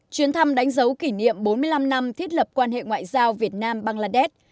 chuyến thăm đánh dấu kỷ niệm bốn mươi năm năm thiết lập quan hệ ngoại giao việt nam bangladesh